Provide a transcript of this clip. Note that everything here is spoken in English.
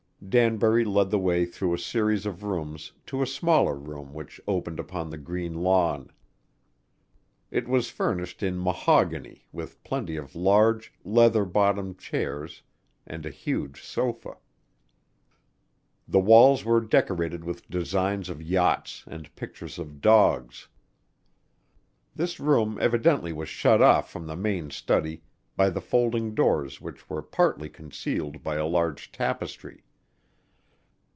Danbury led the way through a series of rooms to a smaller room which opened upon the green lawn. It was furnished in mahogany with plenty of large, leather bottomed chairs and a huge sofa. The walls were decorated with designs of yachts and pictures of dogs. This room evidently was shut off from the main study by the folding doors which were partly concealed by a large tapestry.